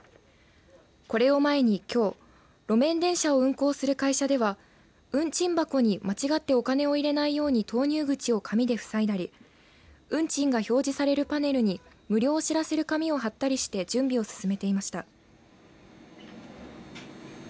これを前に、きょう路面電車を運行する会社では運賃箱に間違ってお金を入れないように投入口を紙でふさいだり運賃が表示されるパネルに無料を知らせる紙を貼ったりして準備を進めていました。